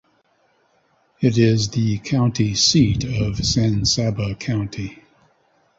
It is the county seat of San Saba County.